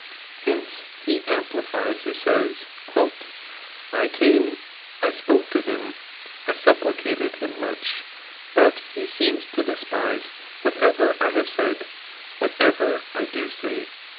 Hence, he amplifies who says, I came, I spoke to him, I supplicated him much ; but he seems to despise whatever I have said, whatever I do say."